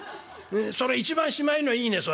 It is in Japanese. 「それ一番しまいのいいねそれ」。